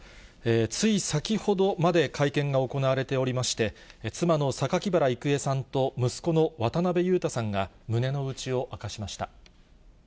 つい先ほどまで会見が行われておりまして、妻の榊原郁恵さんと息子の渡辺裕太さんが胸の内を明かしました。